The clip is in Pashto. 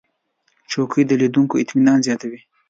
چوکۍ د لیدونکو اطمینان زیاتوي.